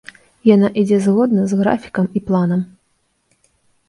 Яна ідзе згодна з графікам і планам.